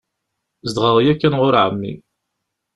Zedɣeɣ yakan ɣur εemmi.